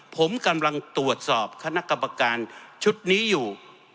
ผมกำลังตรวจสอบคณะกรรมการชุดนี้อยู่